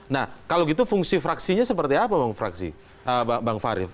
nah kalau gitu fungsi fraksinya seperti apa bang fahri